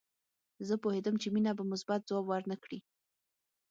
زه پوهېدم چې مينه به مثبت ځواب ورنه کړي